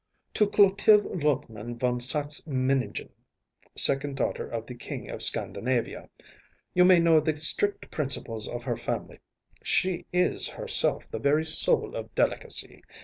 ‚ÄĚ “To Clotilde Lothman von Saxe Meningen, second daughter of the King of Scandinavia. You may know the strict principles of her family. She is herself the very soul of delicacy.